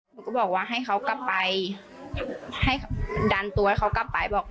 หนูก็บอกว่าให้เขากลับไปให้ดันตัวให้เขากลับไปบอก